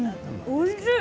おいしい。